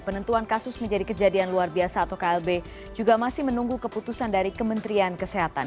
penentuan kasus menjadi kejadian luar biasa atau klb juga masih menunggu keputusan dari kementerian kesehatan